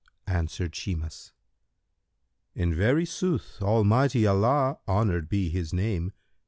Answered Shimas, "In very sooth Almighty Allah (honoured be His name!)